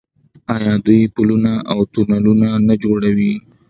آیا دوی پلونه او تونلونه نه جوړوي؟